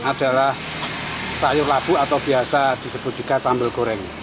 adalah sayur labu atau biasa disebut juga sambal goreng